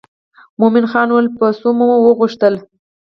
مومن خان وویل په څو مو وغوښتله.